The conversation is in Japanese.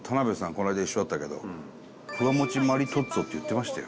この間、一緒だったけどふわもちマリトッツォって言ってましたよ。